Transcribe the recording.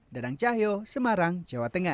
danang cahyo semarang jawa tengah